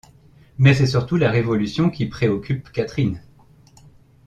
Mais c'est surtout la révolution qui préoccupe Catherine.